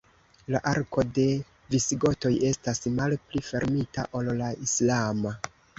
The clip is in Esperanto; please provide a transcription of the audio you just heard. La arko de visigotoj estas malpli fermita ol la islama.